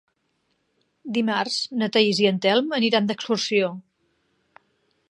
Dimarts na Thaís i en Telm aniran d'excursió.